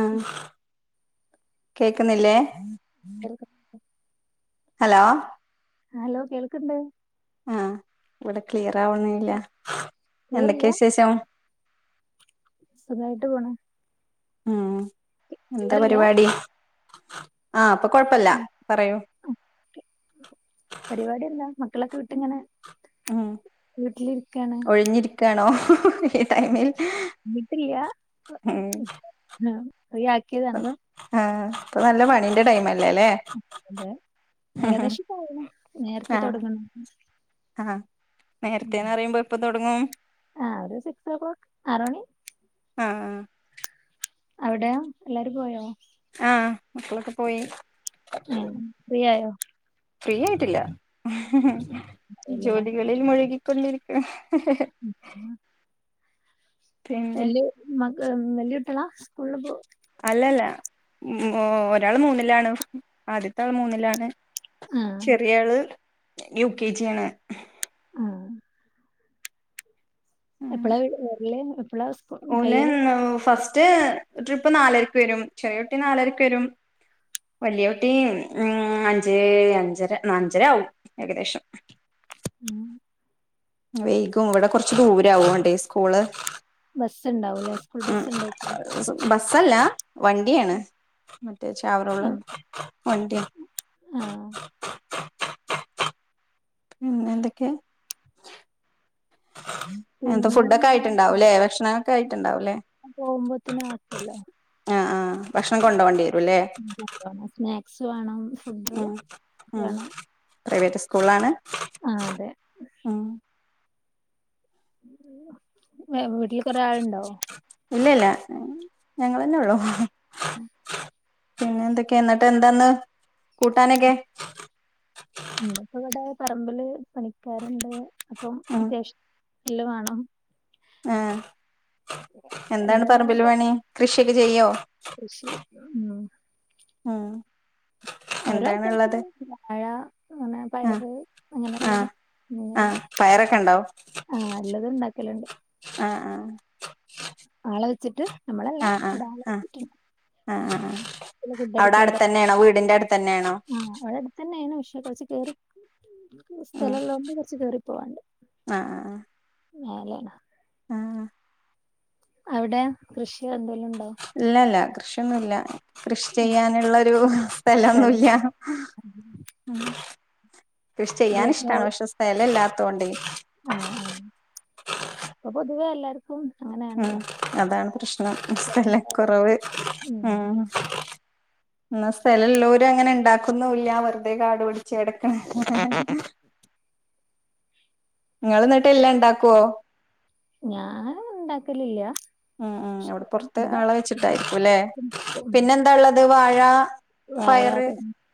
ആഹ് കേക്കുന്നില്ലേ കേക്ക hello hello കേൾക്ക്‌ണ്ട് ആഹ് ഇവിടെ ക്ലിയർ ആവണല്ല ക്ലിയറില്ല എന്തൊക്കെയാ വിശേഷം സുഖായിട്ട് പോണ ഉം എന്താ ക്ലിയറില്ല പരിപാടി ആഹ് അപ്പൊ കുഴപ്പല്ല പറയൂ പരിപാടി എന്ത മക്കളൊക്കെ വിട്ട്ങ്ങനെ ഉം ഒഴിഞ്ഞിരിക്കയാണോ ഈ ടൈമിൽ വിട്ടില്ലയ ഉം ഉം ഫ്രീ ആക്കിയതാണ് ആഹ് ഇപ്പൊ നല്ല പണീന്റെ ടൈമ അല്ലേല്ലേ ഏകാദേശം പോ നേരത്തെ തുടങ്ങണ ആഹ് നേരത്തെന്ന് പറയുമ്പോ ഇപ്പൊ തുടങ്ങും ആ ഒരു സിക്സ് ഓ ക്ലോക്ക് ആറ് മണി ആഹ് ആഹ് അവിടെ എല്ലാരും പോയോ ആഹ് മക്കളൊക്കെ പോയി ഫ്രീയയോ ഫ്രീ ആയിട്ടില്ല ഇല്ലല്ലേ ജോലികളിൽ മുഴുകി കൊല്ലിരുരിക്ക വല്യമ്മാക്ക് വല്യ കുട്ടികളാ സ്കൂളില് പോ അല്ലല്ല ഒരാൾ മൂന്നിലാണ് ആദ്യത്തെ ആൾ മൂന്നിലാണ് ആ ചെറിയയാള് യു കെ ജിണ് ആഹ് എപ്പളാ വീ വരൽ എപ്പളാ വീ ഓലെ ഫസ്റ്റ് ട്രിപ്പ് നാലരക്ക് വരും ചെറിയൊട്ടി നാലരക്ക് വരും വലിയ കുട്ടി അഞ്ച് അഞ്ചര നഞ്ചര ആകവും ഏകദേശം ഉം വൈകും ഇവിടെ കൊറച്ച് ദൂരവണ്ടേ സ്കൂള് ബസ് ഉണ്ടോ ഉം ബസ്സല്ല വണ്ടിയാണ് മറ്റേ ചാവറുള്ള ആ വണ്ടി ആഹ് [inaudible] ഉം എന്തൊക്കെയ ഉം എന്താ പിന്നെ ഫുഡൊക്കെ പിന്നെ ആയിട്ടുണ്ടാവൂല്ലേ ഭക്ഷണൊക്കെ ആയിട്ടുണ്ടാവൂലേ പോകുമ്പോത്തിന് ആക്കുവല്ലോ ആഹ് ആഹ് ഭക്ഷണം കൊണ്ടു പോകേണ്ടി വരും അല്ലേ സ്നാക്സ് വേണം ഫുഡ് ആഹ് അഹ് വേണം പ്രൈവറ്റ് സ്കൂളാണ് ആഹ് അതെ ഉം വീട്ടില് കൊറെ ആളുണ്ടാവോ ഇല്ല ല്ല ഞങ്ങെളെന്നെ ഉള്ളു പിന്നെ എന്തൊക്കെയാ എന്നിട്ട് എന്താന്ന് കൂട്ടാനൊക്കെ ഇന്നിപ്പോ ഇവിടെ പറമ്പില് പണിക്കാരുണ്ട് അപ്പം ഉം അത്യാവശ്യല് വേണം ആഹ് എന്താണ് എല്ലാ പറമ്പില് പണി കൃഷിയൊക്കെ ചെയ്യോ കൃഷി ഒന്നും ഉം ഓരോ അത്യാവശത്തിന് എന്താണുള്ളത് ഉള്ളത് വാഴ അങ്ങനെ ആഹ് പയറ് ആഹ് അങ്ങനെല്ലതും അങ്ങനെ ആഹ് പയറൊക്കെ ഉണ്ടാവോ ആഹ് എല്ലതും ഉണ്ടാക്കലുണ്ട് ആഹ് ആഹ് ആളെ വെച്ചിട്ട് നമ്മളല്ല ആഹ് ആഹ് അവിടെ ആളെ വെച്ചിട്ട് ആഹ് ആഹ് ഫുഡ് എടുക്ക അവിടെ അടുത്ത തന്നെയാണോ വീടിന്റെ അടുത്ത് തന്നെയാണോ പിന്നെ തിനെ വിഷയെ കുറിച്ച് കേറി ഉം സ്ഥലല്ലൊണ്ട് കുറച്ച് കയറി പോവാണ്ട് ആഹ് ആഹ് മേലാണ് ആഹ് അവിടെ കൃഷിയ എന്തെലും ഉണ്ടോ ഇല്ലല്ല കൃഷിയൊന്നുല്ല കൃഷി ചെയ്യാനുള്ളരു സ്ഥലം സ്ഥലൊന്നുല്ല കൃഷി ഇത് ചെയ്യാൻ കൊറച്ച് ഹോ ഇഷ്ടാണ് പക്ഷെ സ്ഥലല്ലാത്തൊണ്ടെ ആഹ് ആഹ് അപ്പൊ പൊതുവേ എല്ലാർ ക്കുംഅങ്ങനെ ഉം അതാണ് പ്രശ്നം സ്ഥല കൊറവ് ഉം എന്ന സ്ഥലം ഉള്ളൊരു അങ്ങനെ ഉണ്ടാക്കുന്നുല്ല വെറുതെ കാട് പിടിച്ചു കെടക്കാണ് ങ്ങള് എന്നിട്ട് എല്ലാം ഇണ്ടാക്കുവോ ഞാൻ ഇണ്ടാക്കലില്ല ഉം ഉ അവിടെ പൊറത്ത് ഇവിടെ ആളെ നനച്ചും വെച്ചിട്ടായിരിക്കും അല്ലേ ഉം പിന്നെന്താ ഉള്ളത് വാഴ വാഴ പയറ്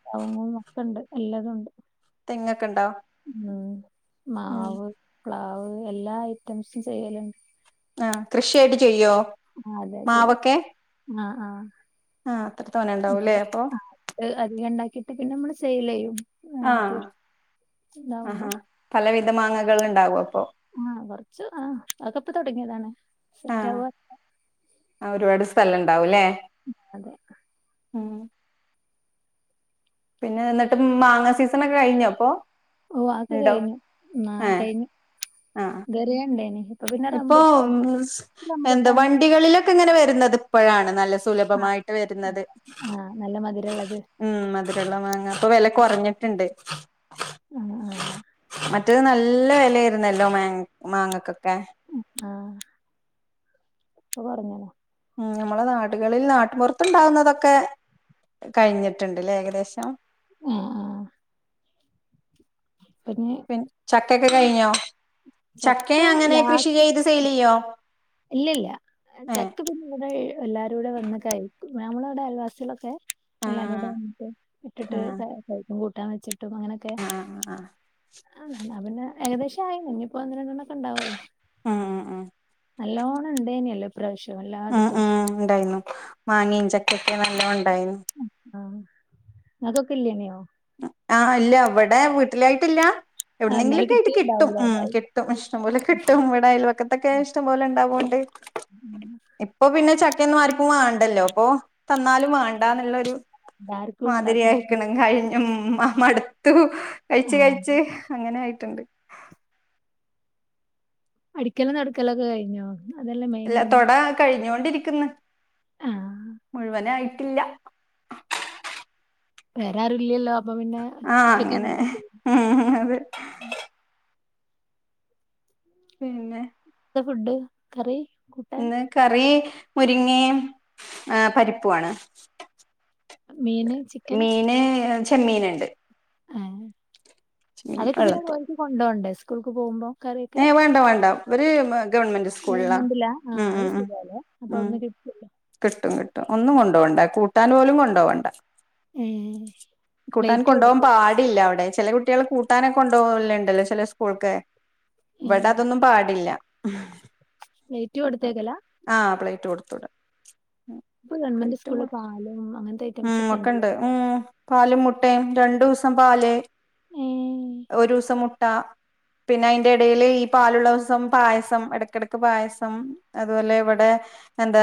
കവുങ്ങും ഒക്കെ ഇണ്ട് എല്ലാതുണ്ട് തെങ്ങൊക്കെ ഇണ്ടോ ഉം ഉം മാവ് പ്ലാവ് എല്ലാ ഐറ്റംസും ചെയ്യലുണ്ട് ആഹ് കൃഷിയായിട്ട് ചെയ്യോ അതെ മാവൊക്കെ ചെയ്യും ആഹ് ആഹ് ആഹ് അത്ര തോനെ ഉണ്ടാവൂല്ലേ അതെ അപ്പൊ ആഹ് അധികം ഉണ്ടാക്കിട്ട് പിന്നെ നമ്മള് സെയിൽ ചെയ്യും ആ ആഹ് തെ ഇണ്ടാവുമ്പോ ആഹാ പലവിധ മാങ്ങകൾ ഇണ്ടാവും അപ്പൊ ആഹ് കൊറച്ചു ആ അഹ് ഒക്കെ ഇപ്പ തുടങ്ങിയതാണ് സെറ്റ് ആവ്വോ ആ ഒരുപാട് സ്ഥലം ഇണ്ടാവും ലേ മ് അതെ പിന്നെ ഇന്നട്ട് മ് മാങ്ങ സീസണൊക്കെ കഴിഞ്ഞോ പ്പോ ഓ അഹ് ഒക്കെ കയിഞ്ഞു നാ ഏഹ് കയിഞ്ഞു ആഹ് ഇതുവരെ ഇണ്ടായിനി ഇപ്പൊ [unintelligible] എന്താ റംബുട്ടാന് വണ്ടികളിലൊക്കെ ഇങ്ങനെ വരുന്നത് ഇപ്പോഴാണ് നല്ല സുലഭമായിട്ട് വരുന്നത് ആഹ് നല്ല മധുരള്ളത് ഉം മധുരള്ള മാങ്ങ ഇപ്പൊ വെല കൊറഞ്ഞിട്ടുണ്ട് ആഹ് ആഹ് മറ്റത് നല്ല വെലയായിരുന്നല്ലോ മാ മാങ്ങക്കൊക്കെ ആഹ് ഇപ്പൊ കൊറ്ഞ്ഞിണ് ഉം നമ്മളെ നാടുകളിൽ നാട്ടുപുറത്തുണ്ടാവുന്നതൊക്കെ കഴിഞ്ഞിട്ടുണ്ട് ലേ ഏകദേശം ഏഹ് ആഹ് പിന്നെ പിൻ ചക്കയൊക്കെ കയിഞ്ഞോ ചക്ക ചക്കെ അങ്ങനെ കൃഷി ലാസ്റ്റ് ചെയ്ത് സെയില് ചെയ്യോ ഇല്ലല്ല ഏഹ് ചക്ക പ്പം വടെ എല്ലാരൂടെ വന്ന് കയിക്കും നമ്മളിവിടെ അയൽവാസികളൊക്കെ എല്ലാരൂടെ ആഹ് വന്നിട്ട് ഇട്ടിട്ട് ആഹ് ക കഴിക്കും കൂട്ടാൻ വെച്ചിട്ടും അങ്ങനെയൊക്കെ ആഹ് ആഹ് ആഹ് അങ്ങനെ ഇന്നാ പിന്നെ ഏകദേശം ആയി ഇനിയിപ്പോ ഒന്ന് രണ്ടെണ്ണക്കെ ഉണ്ടാവുള്ളു ആഹ് ആഹ് നല്ലോണ്ണം ഇണ്ടേനിയല്ലോ ഇപ്രാവിശ്യം നല്ല ആഹ് ആഹ് ഉണ്ടായിന്നു മാങ്ങി ചക്കയൊക്കെ നല്ലോ ഉണ്ടായിന്നു ആഹ് ഇങ്ങക്കൊക്കെ ഇല്ലേ നോ ആഹ് ഇല്ല ഇവിടെ വീട്ടിലായിട്ടില്ല ആഹ് എവിടുന്നെങ്കിലും ഇന്നാല് ക്കെ ആയിട്ട് കിട്ടും കിട്ടിണ്ടാവൂലേ ഉം അതായിരിക്കും കിട്ടും ഇഷ്ടംപോലെ കിട്ടും ഇവിട അയൽ വക്കത്തൊക്കെ ഇഷ്ടംപോലെ ഇണ്ടാവോണ്ട് ഇപ്പൊ പിന്നെ ചക്കയൊന്നും ആര്ക്കും വാണ്ടല്ലോ പ്പൊ തന്നാലും വാ ണ്ടാന്ന്ള്ളരു എല്ലാർക്കും ഉണ്ടാക്കാൻ മാതിരിയായിക്ക്ണ് കഴിഞ്ഞു ആ മടുത്തു കഴിച്ച് ആഹ് കഴിച്ച് അങ്ങനെ ആയിട്ടുണ്ട് അടിക്കലും തൊടക്കലൊക്കെ കയിഞ്ഞോ ഇല്ല തൊട കഴിഞ്ഞോണ്ടിരിക്കുന്നു ആഹ് മുഴുവനായിട്ടില്ല വേറെ ആരു ഇല്ലല്ലോ അപ്പൊ പിന്നെ ആഹ് അങ്ങനെ ഒറ്റക്കെന്നെല്ലേ ഉം അതെ പിന്നെ ത്താ ഫുഡ് കറി കൂട്ടാൻ ഇന്ന് കറി മുരിങ്ങേയും ആഹ് പരിപ്പു ആണ് മീന് ചിക്കൻ മീന് ചെമ്മീന്ണ്ട് ഏഹ് ചെമ്മീൻ അതൊക്കെ പിന്നെ വെള്ളത്തി ഓൽക്ക് കൊണ്ടോണ്ടേ സ്കൂൾക്ക് പോകുമ്പം കറിയൊക്കെ ഏ വേണ്ട വേണ്ട ഇവര് ഗവൺമെന്റ് സ്കൂളിലാ ഗവൺമെന്റ്ലാ ആഹ് ഉം ഉം അഹ് ഉം ശരിയാല്ലേ അപ്പൊ ഉം അവിട്ന്ന് കി ട്ടുല്ലേ കിട്ടും കിട്ടും ഒന്നും കൊണ്ടോണ്ട കൂട്ടാൻ പോലും കൊണ്ടോ വണ്ട ഏഹ് കൂട്ടാൻ പ്ലേറ്റ് കൊണ്ടോവാൻ കൊടുത്തേക്ക പാടില്ല അവിടെ ചെല കു ട്ടിയേൾ കൂട്ടാനൊക്കെ കൊണ്ടോവല്ണ്ടല്ലോ ചെല സ്കൂൾക്ക് വടെ ഏഹ് അതൊന്നും പാടില്ല പ്ലേറ്റ് കൊടുത്തേക്കലാ ആഹ് പ്ലേറ്റ് കൊടുത്ത് വിടാ പ്പൊ ഗവൺമെന്റ് സ്കൂൾല് പാലും അങ്ങൻത്തെ ഉം ഒക്കെണ്ട് ഉം പാലും മുട്ടയും രണ്ടുസം പാല്. ഒരുസം മുട്ട. പിന്നയ്ന്റെടേല് ഈ പാലുള്ളസം പായസം എടക്കെടക്ക് പായസം. അതുപോലെ ഇവടെ എന്താ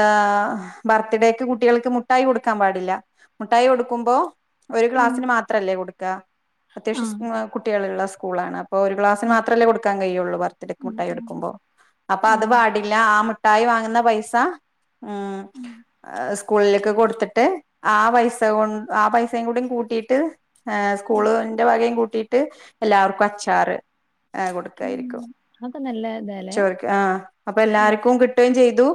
ബർത്ത്ഡേക്ക് കുട്ടികൾക്ക് മുട്ടായി കൊടുക്കാൻ പാടില്ല. മുട്ടായി കൊടുക്കുമ്പോ ഒരു ഉം. ക്ലാസിന് മാത്രല്ലേ കൊടുക്കാ ആ. അത്യാവശ്യം സ്‌ കുട്ടിള്ള്ള്ള സ്കൂളാണ്. ഇപ്പൊരു ഗ്ലാസ് ഉം. മാത്രല്ലേ കൊടുക്കാൻ കഴിയുള്ളൂ ബർത്ത്ഡക്ക് ഉം. മുട്ടായി ഉം. കൊടുക്കുമ്പോ അപ്പ ആ. അത് പാടില്ല ആ മു ട്ടായി വാങ്ങുന്ന പൈസ ഉം സ്കൂളിലേക്ക് കൊട്ത്തിട്ട്. ആ പൈസ കൊ ആ പൈസയും കൂടെ കൂട്ടിട്ട് ഏഹ് ഉം. സ്കൂള്ന്റെ വകം കൂട്ടി. ട്ട് എല്ലാവർക്കും അച്ചാറ് ഏ ഉം. കൊടുക്കായിരിക്കും. അതൊക്കെ നല്ല ത ചോർക്ക് ആഹ് അപ്പൊല്ലാർക്കും കിട്ടുകേം ചെയ്തു.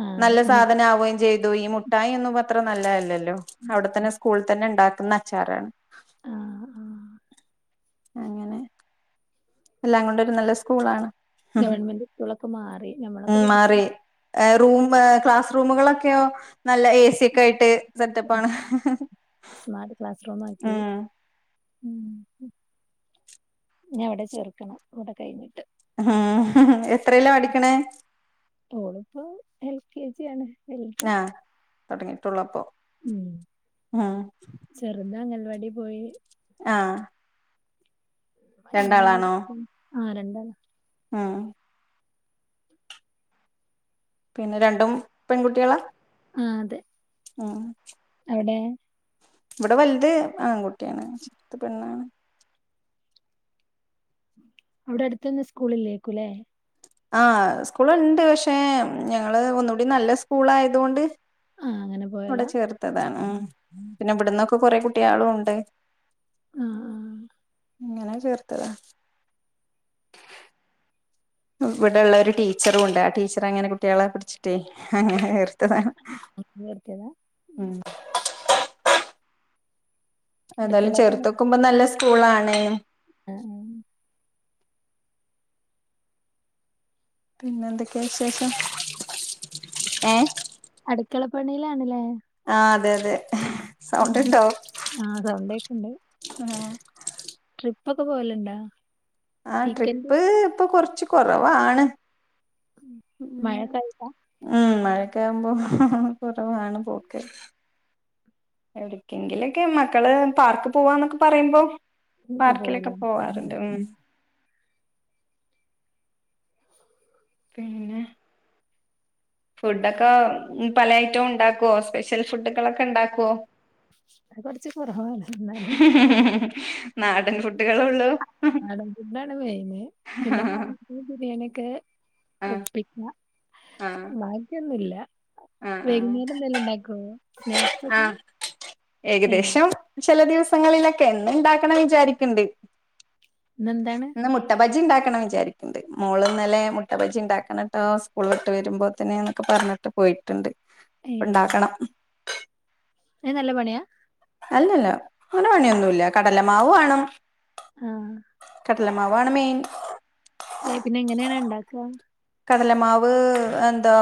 ആ അതെ. നല്ല നമ്മിട്ട് സാധനാവുകയും ചെയ് ലു ഈ മുട്ടായി ഒന്നുപ്പത്ര നല്ലല്ലല്ലോ അവിടെത്തന്നെ അതെ. സ്കൂള് തന്നെ ഇണ്ടാക്കുന്ന അച്ചാറാ. ആ ആ. അങ്ങനെ. എല്ലാം കൊണ്ടൊരു നല്ല സ്കൂളാണ്. ഗവൺമെന്റ് സ്കൂളൊക്കെ മാറി ഞമ്മളൊക്കെ പഠിച്ചു. ഏഹ് റൂം ക്ലാസ് റൂമുകളൊക്കെയോ നല്ല എ സി യൊക്കായിട്ട് സെറ്റപ്പാണ്. സ്മാർട്ട് ക്ലാസ് റൂം ആക്കി. ഉം ഉം ഉം ഞ്ഞവിടെ ചേർക്കണം ഇവടെ കഴിഞ്ഞിട്ട്. എത്രേലാ പഠിക്കണേ. ഓള്പ്പോ എൽ കെ ജി ആണ്. വലുത്. ആഹ് തൊടങ്ങിട്ടൊള്ളപ്പൊ ഉം. ഉം. ചെറുത് അംഗൽവാടി പോയി. ആഹ്. ങ്ങനെ ങ്ങനെ ഇരിക്ക്ണ് ആഹ് രണ്ടാളും. ആഹ്. പിന്നെ രണ്ടും പെൺകുട്ട്യാളാ. ആഹ് അതെ. ഉം. എവ്‌ടെ. ഇവടെ വൽത് ആൺകുട്ട്യാണ് ചെർത് പെണ്ണാണ്. അവ്ടെ അട്ത്തൊന്നും സ്കൂളില്ലേക്കുലേ. ആഹ് സ്കൂള്ണ്ട് പക്ഷെ ഞങ്ങള് ഒന്നുകൂടി നല്ല സ്കൂളായത്കൊണ്ട്. ആ അങ്ങനെ വ്ടെ പോയലാ. ചേർത്തതാണ് ഉം പിന്നെ ഇബട്ന്നൊക്കെ കൊറെ കുട്ട്യാളുംണ്ട്. ആഹ് ആഹ് ആഹ്. ങ്ങനെ ചേർത്തതാ. ഇവടെള്ളരു ടീച്ചറുണ്ട് ആ ടീച്ചറങ്ങനെ കുട്ട്യളെ പഠിച്ചിട്ടേ അങ്ങനെ ചേർത്തതാണ്. [unintelligible] ചേർത്ത്യത. ഉം. എതയലും അടുക്കളയിലാണ് ചെർത്തൊക്കുമ്പ നല്ല സ്കൂളാണെനും. അ ഉം. പിന്നെന്തൊക്കെ വിശേഷം ഏഹ്. അട്ക്കളപ്പണിയിലാണ്ലേ. ആഹ് അതെ അതെ സൗണ്ട് ഉണ്ടോ ആ സൗണ്ട് ഉം- ട്രിപ്പൊക്കെ പോവല്ണ്ടോ? ആ ട്രിപ്പ് ഇപ്പൊ കുറച്ച് കൊറവാണ്. മഴക്കാലത്താ ഉം മഴക്കെ ആകുമ്പോ കൊറവാണ് പോക്ക് എവിടക്കെങ്കിലൊക്കെ മക്കള് പാർക്ക് പോവാന്നൊക്കെ പറയുമ്പോ ഒക്കെ പാർക്കിലൊക്കെ പോവൂലേ പോവാറുണ്ട് ഉം [inaudible] പിന്നെ ഫുഡൊക്കെ പല ഐറ്റവും ഉണ്ടാക്കുവോ സ്പെഷ്യൽ ഫുഡുകളൊക്കെ ഉണ്ടാക്കുവോ? അത് കൊറച്ച് കൊറവാണ് എന്നാലും നാടൻ ഫുഡ്‌കളേ ഉള്ളൂ നാടൻ ഫുഡാണ് മെയിന്, പിന്നെ ആഹ് മന്തി ബിരിയാണി ഒക്കെ പിഗ്മ- ആഹ് ബാക്കിയൊന്നുല്ല, ആഹ് ആഹ് വൈകുന്നേരം എന്തേലും ഉണ്ടാക്കോ സ്നാക്ക്സൊക്കെ? ആഹ് ഏകദേശം ചെല ദിവസങ്ങളിലൊക്കെ എന്നും ഉണ്ടാക്കണം വിചാരിക്കണ്ട്. ഇന്നെന്താണ്? ഇന്ന് മുട്ടബജി ഉണ്ടാക്കണം വിചാരിക്കുന്നുണ്ട്, മോള്ന്നലെ മുട്ടബജി ഉണ്ടാക്കണം കേട്ടോ സ്കൂളിവിട്ട് വരുമ്പോൾ തന്നെ എന്നൊക്കെ പറഞ്ഞിട്ട് പോയിട്ടുണ്ട് ഉണ്ടാക്കണം. അയ്ന് നല്ല പണിയാ? അല്ലല്ല അങ്ങനെ പണിയൊന്നുല്ല കടല മാവ് വേണം ആഹ് കടല മാവാണ് മെയിൻ എ പിന്നെ എങ്ങനെയണ് ഒണ്ടാക്യാ? കടലമാവ് എന്താ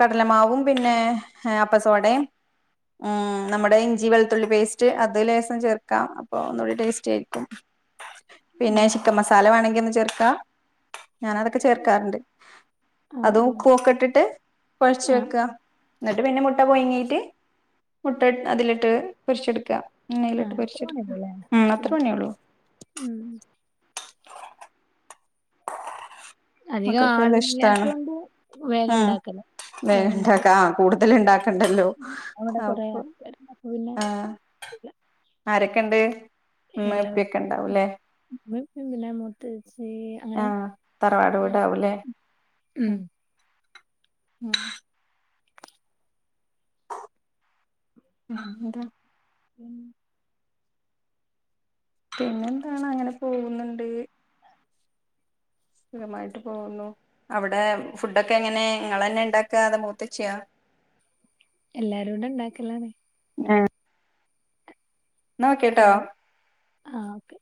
കടലമാവും പിന്നെ അപ്പസോടയും ഉം നമ്മുടെ ഇഞ്ചി വെളുത്തുള്ളി പേസ്റ്റ് അത് ലേസം ചേർക്കാം അപ്പൊ ഒന്നുകൂടി ടേസ്റ്റ് ആയിരിക്കും. ആ പിന്നെ ചിക്കൻ മസാല വേണെങ്കി ഒന്ന് ചേർക്കാ ഞാനതൊക്കെ ചേർക്കാറുണ്ട്. ആ അതും ഉപ്പ് ഒക്കെ ഇട്ടിട്ട് കൊഴച്ച് ആ ആ വെക്കുക. എന്നിട്ട് പിന്നെ മുട്ട പൊയങ്ങിയിട്ട് മുട്ട അതിലിട്ട് പൊരിച്ചെടുക്കുക. ആ എണ്ണയിലിട്ട് അത്ര പൊരിചെടുക്കാ പണിയൊള്ളൂല്ലേ ഉം അത്ര പണിയേള്ളൂ. ഉം അധികം മക്കൊക്കെല്ലാം ഇഷ്ടാണ് ആളില്ലാത്തോണ്ട് വേഗം ഉം ഉണ്ടാക്കല വേഗം ഉണ്ടാക്കി ഉണ്ടാക്ക ആ കൂടുതൽ ഇണ്ടാക്ക ണ്ടല്ലോ അവിടെ കൊറേ അപ്പൊ ആൾക്കാരുണ്ട് അപ്പൊ പിന്നെ ആഹ് ആരൊക്കെണ്ട് ഉമ്മെ പ്പയൊക്കെ ഉണ്ടാവും അല്ലേ? ഉമ്മ ഉപ്പേം, പിന്നെ മൂത്തേച്ചി അങ്ങനെ ആഹ് തറവാട് വീടാവൂലേ ഉം ഉം ഉം എന്താ ഉം പിന്നെ എന്താണ് അങ്ങനെ പോകുന്നുണ്ട്. സുഖമായിട്ട് പോകുന്നു അവിടെ ഫുഡൊക്കെ എങ്ങനെ ഇങ്ങളന്നെ ഉണ്ടാക്ക അതോ മൂത്തചിയോ? എല്ലാരൂടെ ഉണ്ടാക്കലാണ്. ആഹ് എന്നാവെക്കാട്ടോ ആഹ് ഓക്കെ